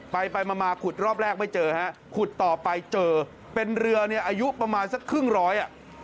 ไปมาขุดรอบแรกไม่เจอขุดต่อไปเจอเป็นเรืออายุประมาณสักครึ่งร้อย